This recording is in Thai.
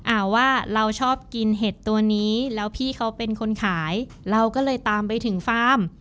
อ่าว่าเราชอบกินเห็ดตัวนี้แล้วพี่เขาเป็นคนขายเราก็เลยตามไปถึงฟาร์ม